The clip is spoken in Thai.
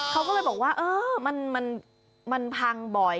เขาก็เลยบอกว่าเออมันพังบ่อย